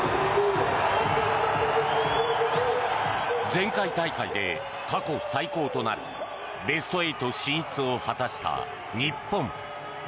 前回大会で過去最高となるベスト８進出を果たした日本。